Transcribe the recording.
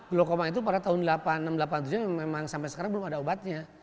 glukoma itu pada tahun seribu delapan ratus delapan puluh tujuh memang sampai sekarang belum ada obatnya